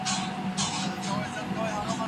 ده وویل چي پښتو زما د ژوند تر ټولو خوږه خاطره ده.